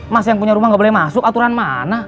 mas yang punya rumah nggak boleh masuk aturan mana